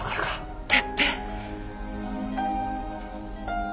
哲平。